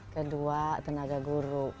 kedua tenaga guru